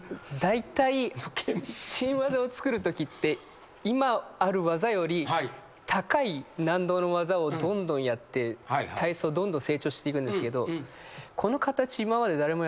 だいたい新技をつくるときって今ある技より高い難度の技をどんどんやって体操どんどん成長していくんですけど。